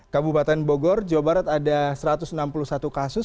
kabupaten bogor jawa barat ada satu ratus enam puluh satu kasus